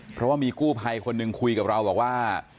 เพราะว่ามีกู้ภัยคนหนึ่งคุยกับเราบอกว่า